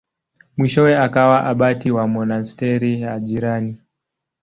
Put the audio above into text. Mwishowe akawa abati wa monasteri ya jirani.